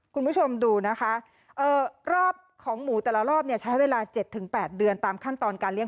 คุณผู้ชมดูนะคะรอบของหมูแต่ละรอบเนี่ยใช้เวลา๗๘เดือนตามขั้นตอนการเลี้